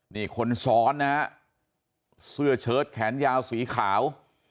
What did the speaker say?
นี่คนซ้อนนะฮะเสื้อเชิดแขนยาวสีขาว